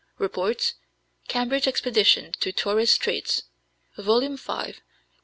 (Reports Cambridge Expedition to Torres Straits, vol. v., p.